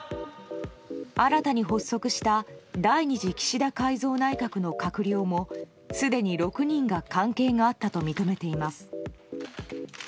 新たに発足した第２次岸田内閣の閣僚もすでに６人が関係があったと認めています。